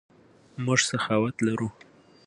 موږ سخاوت لرو.